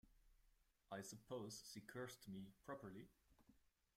I suppose she cursed me properly?